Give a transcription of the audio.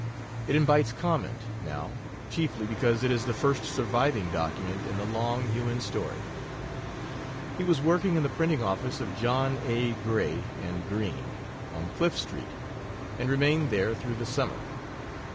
It invites comment, now, chiefly because it is the first surviving document in the long human story. He was working in the printing office of John A. Gray and Green, on Cliff Street, and remained there through the summer.